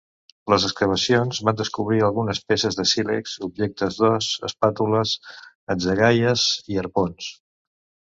Les excavacions van descobrir algunes peces de sílex, objectes d'os, espàtules, atzagaies i arpons.